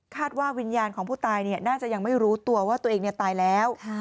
ว่าวิญญาณของผู้ตายน่าจะยังไม่รู้ตัวว่าตัวเองตายแล้ว